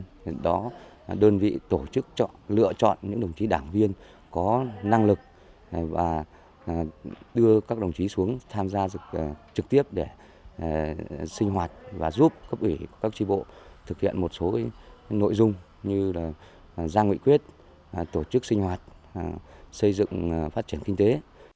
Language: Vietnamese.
đảng ủy ban thủy đồng văn đã tổ chức lựa chọn những đồng chí đảng viên có năng lực và đưa các đồng chí xuống tham gia trực tiếp để sinh hoạt và giúp cấp ủy các tri bộ thực hiện một số nội dung như ra nghị quyết tổ chức sinh hoạt xây dựng phát triển kinh tế